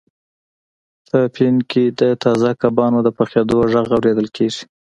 په پین کې د تازه کبانو د پخیدو غږ اوریدل کیږي